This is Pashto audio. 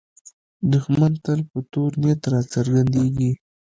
دښمن تل په تور نیت راڅرګندېږي